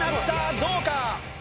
どうか？